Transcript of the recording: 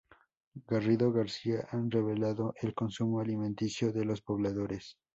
Garrido García, han revelado el consumo alimenticio de los pobladores.